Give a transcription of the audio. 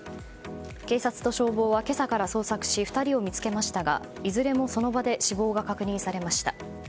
警察と消防は今朝から捜索し２人を見つけましたがいずれも、その場で死亡が確認されました。